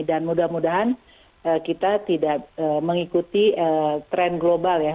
dan mudah mudahan kita tidak mengikuti tren global ya